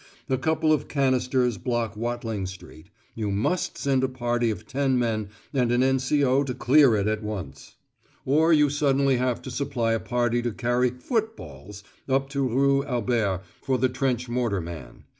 A couple of canisters block Watling Street; you must send a party of ten men and an N.C.O. to clear it at once: or you suddenly have to supply a party to carry "footballs" up to Rue Albert for the trench mortar man.